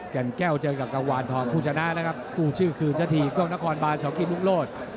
กันแก้วเจอกับกังวาลทองค์ผู้ชนะนะครับผู้ชื่อคืนซะทีเกื้องนครบานเฉากินลุงโลศ